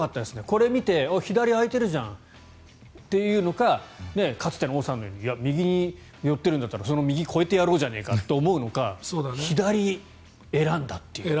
これを見て左空いてるじゃんというのかかつての王さんのように右に寄ってるんだったら右を越えてやろうじゃないかと思うのか左を選んだという。